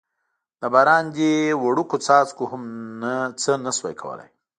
د باران دې وړوکو څاڅکو هم څه نه شوای کولای.